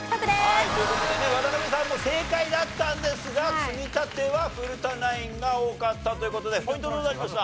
はいという事でね渡邉さんも正解だったんですが積み立ては古田ナインが多かったという事でポイントどうなりました？